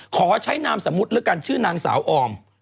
ขอใช้นามสมมุติแล้วกันชื่อนางสาวออม